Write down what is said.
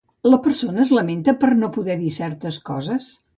La persona es lamenta per no poder dir certes coses?